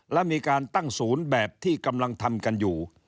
และมีการตั้งศูนย์แบบที่กำลังทำกันอยู่